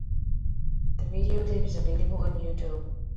The video clip is available on YouTube.